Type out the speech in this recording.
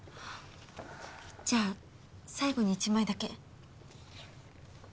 じゃあ最後に一枚だけ。